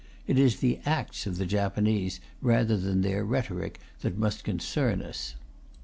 It is the acts of the Japanese rather than their rhetoric that must concern us.